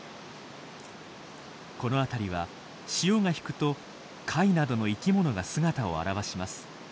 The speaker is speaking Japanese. この辺りは潮が引くと貝などの生きものが姿を現します。